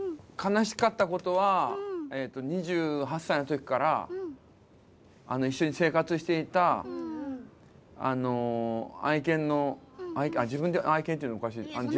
悲しかったことは２８歳のときから一緒に生活していた愛犬のあっ、自分で愛犬って言うのもおかしいか。